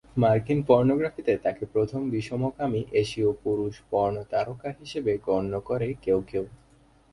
মার্কিন পর্নোগ্রাফিতে তাকে প্রথম বিষমকামী এশীয় পুরুষ পর্ন তারকা হিসেবে গণ্য করে কেউ কেউ।